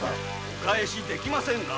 お返しできませんな。